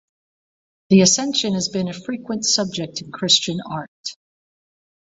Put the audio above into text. The Ascension has been a frequent subject in Christian art.